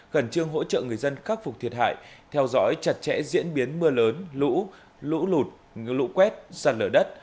gần chương hỗ trợ người dân khắc phục thiệt hại theo dõi chặt chẽ diễn biến mưa lớn lũ lũ lụt lũ quét sạt ở đất